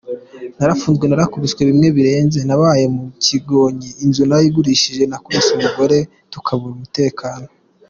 Narafunzwe, narakubiswe bimwe birenze, nabaye mu kigonyi inzu narayigurishije, nakubise umugore tukabura umutekano”.